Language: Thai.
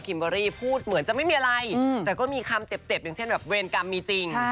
เบอรี่พูดเหมือนจะไม่มีอะไรแต่ก็มีคำเจ็บอย่างเช่นแบบเวรกรรมมีจริง